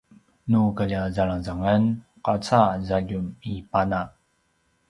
nu kalja zalangzangan qaca zaljum i pana